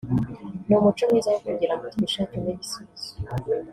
ni umuco mwiza wo kugira ngo twishakemo ibisubizo